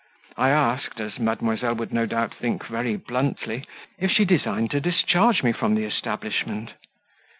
I asked, as mademoiselle would no doubt think, very bluntly, if she designed to discharge me from the establishment.